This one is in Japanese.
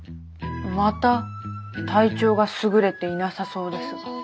また体調がすぐれていなさそうですが。